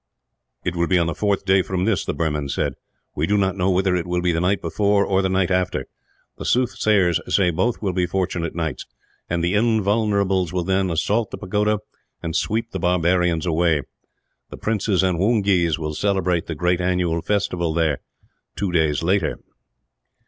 "It will be on the fourth day from this," the Burman said. "We do not know whether it will be the night before, or the night after. The soothsayers say both will be fortunate nights; and the Invulnerables will then assault the pagoda, and sweep the barbarians away. The princes and woongees will celebrate the great annual festival there, two days later."